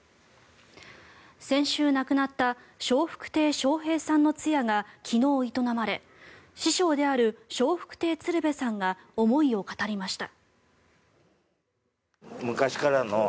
先週亡くなった笑福亭笑瓶さんの通夜が昨日、営まれ師匠である笑福亭鶴瓶さんが思いを語りました。